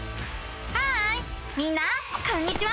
ハーイみんなこんにちは！